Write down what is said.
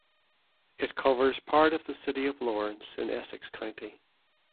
It covers part of the city of Lawrence in Essex County.